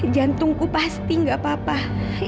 jadi angkat pohon